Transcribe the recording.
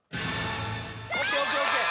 ＯＫＯＫＯＫ！